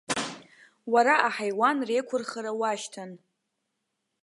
Уара аҳаиуан реиқәырхара уашьҭан.